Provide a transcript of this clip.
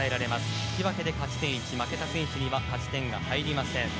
引き分けで勝ち点１負けた選手には勝ち点が入りません。